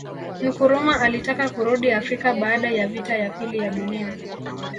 Nkrumah alitaka kurudi Afrika baada ya vita ya pili ya Dunia